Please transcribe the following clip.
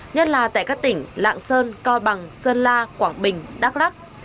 nhất là tại các tỉnh lạng sơn coi bằng sơn la quảng bình đắk lắc